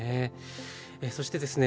そしてですね